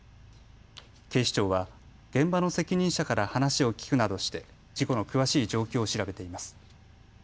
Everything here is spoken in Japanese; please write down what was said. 警視庁は現場の責任者から話を聞くなどして事故の詳しい状況を調べています。